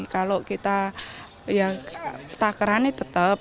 kalau kita ya takerannya tetap